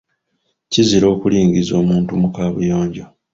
Kizira okulingiza omuntu mu kaabuyojo.